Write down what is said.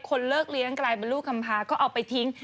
คนเลิกเลี้ยงกลายเป็นลูกคำพาก็เอาไปทิ้ง